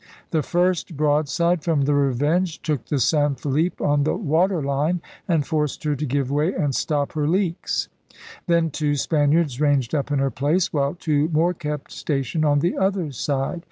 The first broadside from the Revenge took the San Felipe on the water line and forced her to give way and stop her leaks. Then two Spaniards ranged up in her place, while two more kept sta tion on the other side.